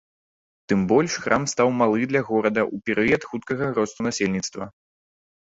Тым больш храм стаў малы для горада ў перыяд хуткага росту насельніцтва.